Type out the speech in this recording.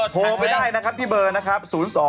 โพรไปได้ที่เบอร์นะครับ